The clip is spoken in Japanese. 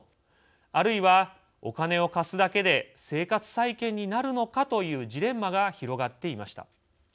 あるいは、お金を貸すだけで生活再建になるのかというジレンマが広がっていました。